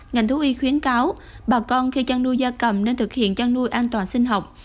ngành thú y khuyến cáo bà con khi chăn nuôi da cầm nên thực hiện chăn nuôi an toàn sinh học